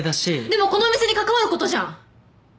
でもこのお店に関わることじゃん！